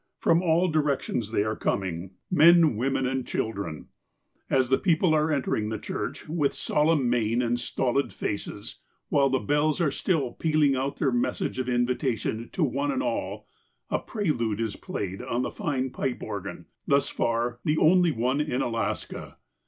From all directions they are coming — men, women, and 360 THE APOSTLE OF ALASKA children. As tlie people are entering the church, with solemn mien and stolid faces, while the bells still are pealing out their message of invitation to one and all, a prelude is played on the fine pipe organ, thus far the only one in Alaska.